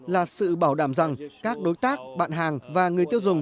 là sự bảo đảm rằng các đối tác bạn hàng và người tiêu dùng